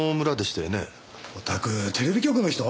おたくテレビ局の人？